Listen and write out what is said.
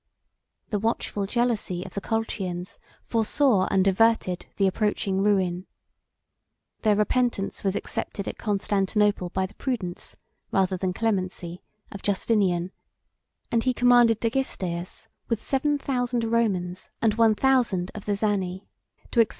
The watchful jealousy of the Colchians foresaw and averted the approaching ruin. Their repentance was accepted at Constantinople by the prudence, rather than clemency, of Justinian; and he commanded Dagisteus, with seven thousand Romans, and one thousand of the Zani, 8511 to expel the Persians from the coast of the Euxine.